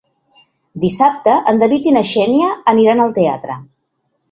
Dissabte en David i na Xènia aniran al teatre.